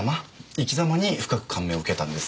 生きざまに深く感銘を受けたんです。